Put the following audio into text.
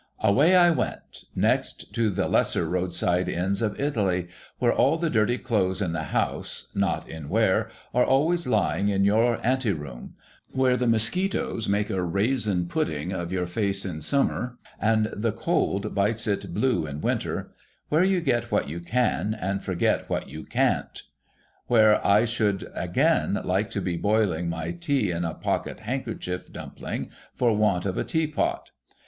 Away I went, next, to the lesser roadside Inns of Italy ; where all the dirty clothes in the house (not in wear) are always lying in your anteroom ; where the mosquitoes make a raisin pudding of your face in summer, and the cold bites it blue in winter ; where you get what you can, and forget what you can't ; where I should again like to be boiling my tea in a pocket handkerchief dumpling, for want of a teapot.